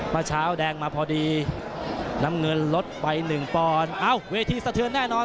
ประชาวแดงมาพอดีน้ำเงินลดไป๑ปอนอ้าวเวทีสะเทือนแน่นอน